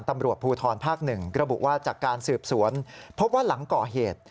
ตำรวจภูทรภาค๑ระบุว่าจากการสืบสวนพบว่าหลังก่อเหตุ